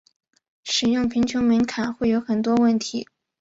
使用贫穷门槛会有很多问题。